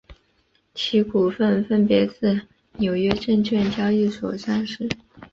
其股份分别自纽约证券交易所上市。